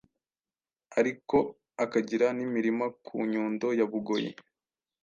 ariko akagira n’imirima ku Nyundo ya Bugoyi .